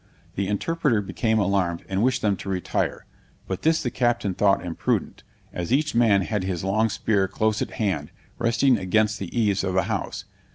The interpreter became alarmed, and wished them to retire; but this the captain thought imprudent, as each man had his long spear close at hand, resting against the eaves of the house.